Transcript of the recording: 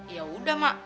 ya udah mak